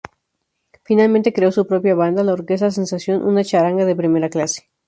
Finalmente creó su propia banda, la "Orquesta Sensación", una charanga de primera clase.